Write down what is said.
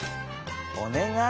おねがい！